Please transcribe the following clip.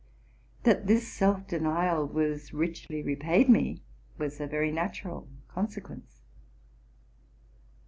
That this self denial was richly repaid me was a very natural consequence.